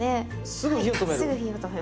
すぐ火を止める。